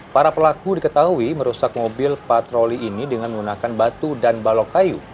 para pelaku diketahui merusak mobil patroli ini dengan menggunakan batu dan balok kayu